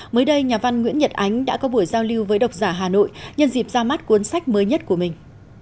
mới đây nhà văn nguyễn nhật ánh đã có buổi giao lưu với độc giả hà nội nhân dịp ra mắt cuốn sách mới nhất của mình